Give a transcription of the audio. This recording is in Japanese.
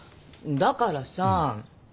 だからさ。